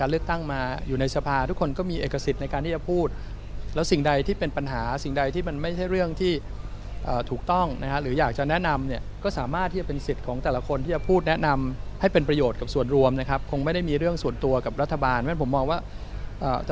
วันนี้มันต้องเดินเสียแนวเลือกไหมครับ